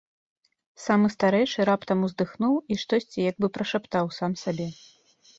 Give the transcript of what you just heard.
Самы старэйшы раптам уздыхнуў і штосьці як бы прашаптаў сам сабе.